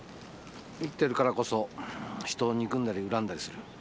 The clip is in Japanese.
生きてるからこそ人を憎んだり恨んだりする。